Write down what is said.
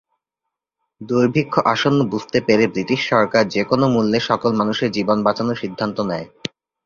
দুর্ভিক্ষ আসন্ন বুঝতে পেরে ব্রিটিশ সরকার যে-কোন মূল্যে সকল মানুষের জীবন বাঁচানোর সিদ্ধান্ত নেয়।